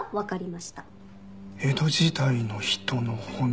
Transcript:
江戸時代の人の骨。